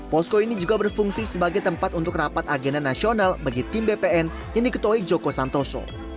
posko ini juga berfungsi sebagai tempat untuk rapat agenda nasional bagi tim bpn yang diketuai joko santoso